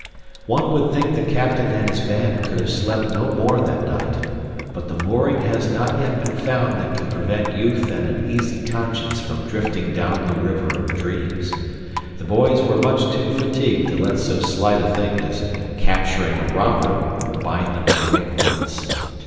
One would think the captain and his band could have slept no more that night, but the mooring has not yet been found that can prevent youth and an easy conscience from drifting down the river of dreams. The boys were much too fatigued to let so slight a thing as capturing a robber bind them to wakefulness.